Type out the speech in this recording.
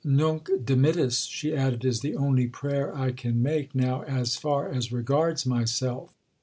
"Nunc dimittis," she added, "is the only prayer I can make now as far as regards myself."